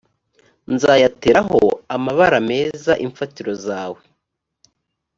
nzayateraho amabara meza imfatiro zawe